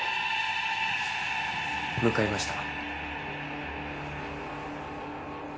向かいました。